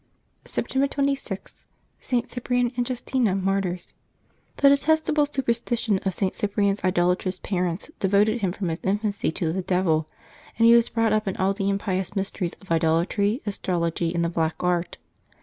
September 26. STS. CYPRIAN and JUSTINA, Martyrs. ^nHE detestable superstition of St. Cyprian's idolatrous V^ parents devoted him from his infancy to the devil, and he was brought up in all the impious mysteries of idol atry, astrolog}' , and the black art.